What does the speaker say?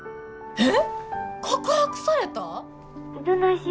えっ！